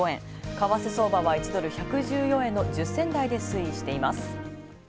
為替相場は１ドル、１１４円の１０銭代で推移しています。